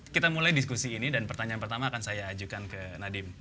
kita mulai diskusi ini dan pertanyaan pertama akan saya ajukan ke nadiem